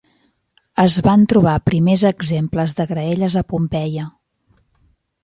Es van trobar primers exemples de graelles a Pompeia.